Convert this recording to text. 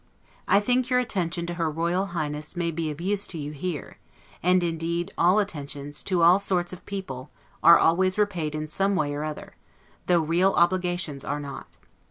I think your attention to her Royal Highness may be of use to you here; and indeed all attentions, to all sorts, of people, are always repaid in some way or other; though real obligations are not.